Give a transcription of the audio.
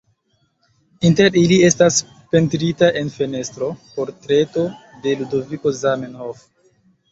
Inter ili estas pentrita en fenestro, portreto de Ludoviko Zamenhof.